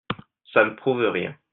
Ca ne prouve rien…